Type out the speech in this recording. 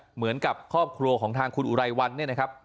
เหมือนกับครอบครัวของทางคุณอุไรวันเนี่ยนะครับ